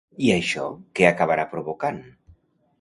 I això que acabarà provocant?